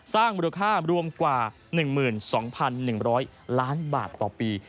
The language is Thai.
สร้างมูลค่ารวมกว่า๑๒๑๐๐ล้านบาทต่อปี